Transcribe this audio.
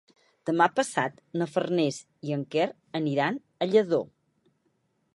Demà passat na Farners i en Quer aniran a Lladó.